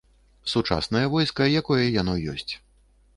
Сучаснае войска, якое яно ёсць.